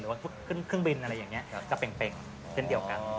ขึ้นเครื่องบินอะไรอย่างนี้ก็เป็งเช่นเดียวกัน